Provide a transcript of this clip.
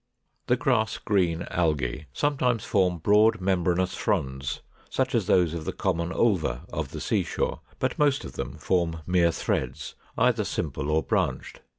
] 511. The Grass green Algæ sometimes form broad membranous fronds, such as those of the common Ulva of the sea shore, but most of them form mere threads, either simple or branched.